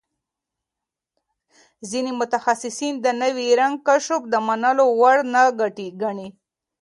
ځینې متخصصان د نوي رنګ کشف د منلو وړ نه ګڼي.